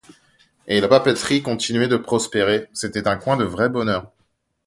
Et la papeterie continuait de prospérer, c'était un coin de vrai bonheur.